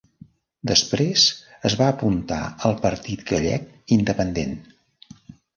Després es va apuntar al Partit Gallec Independent.